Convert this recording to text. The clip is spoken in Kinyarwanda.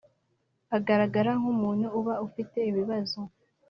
agaragara nkumuntu uba afite ibibazo